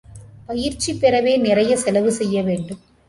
பயிற்சி பெறவே நிறைய செலவு செய்ய வேண்டும்.